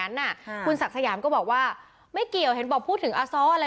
นั้นอ่ะคุณสักสยามก็บอกว่าไม่เกี่ยวเห็นบอกพูดถึงอสออะไร